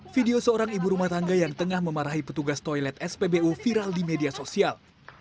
video seorang ibu rumah tangga yang tengah memarahi petugas toilet spbu viral di media sosial